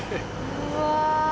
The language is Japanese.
うわ。